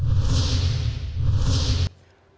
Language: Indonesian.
nah kita akan lihat